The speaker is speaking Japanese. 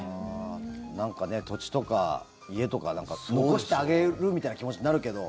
土地とか家とか残してあげるみたいな気持ちになるけど。